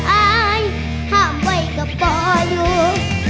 ไอ้ห้ามไว้กับป่าอยู่